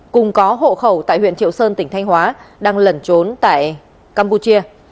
cùng có hộ khẩu tại huyện triệu sơn tỉnh thanh hóa đang lẩn trốn tại campuchia